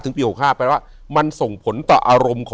อยู่ที่แม่ศรีวิรัยิลครับ